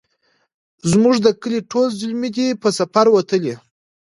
زموږ د کلې ټول زلمي دی په سفر وتلي